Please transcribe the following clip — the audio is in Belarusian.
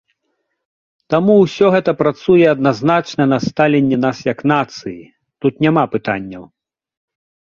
Таму, усё гэта працуе адназначна на сталенне нас як нацыі, тут няма пытанняў.